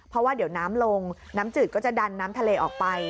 เพราะว่าเดี๋ยวน้ำลงน้ำจืดก็จะดันน้ำทะเลออกไป